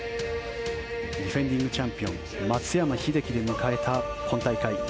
ディフェンディングチャンピオン松山英樹で迎えた今大会。